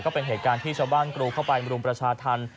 เป็นเหตุการณ์ที่ชาวบ้านกรูเข้าไปมรุมประชาธรรม